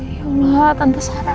ya allah tante sarah